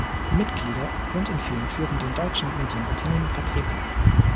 Mitglieder sind in vielen führenden deutschen Medienunternehmen vertreten.